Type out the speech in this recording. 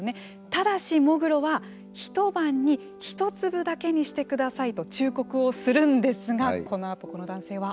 ただし喪黒は一晩に一粒だけにしてくださいと忠告をするんですがこのあとこの男性は？